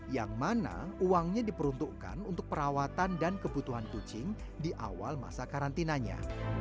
yang mana uangnya diperuntukkan untuk perawatan dan kebutuhan kucing di awal masa karantinanya